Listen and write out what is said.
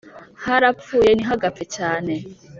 harapfuye ntihagapfe cyane